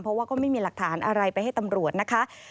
เพราะว่าก็ไม่มีหลักฐานอะไรไปให้ตำรวจนะคะ